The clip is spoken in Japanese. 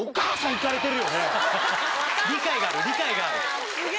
理解がある理解がある。